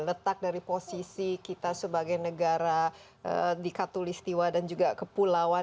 letak dari posisi kita sebagai negara di katolistiwa dan juga kepulauan